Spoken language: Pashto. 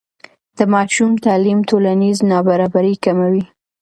د ماشوم تعلیم ټولنیز نابرابري کموي.